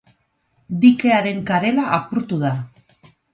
Dikearen karela apurtu da.